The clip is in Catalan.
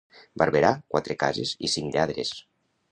Barberà, quatre cases i cinc lladres.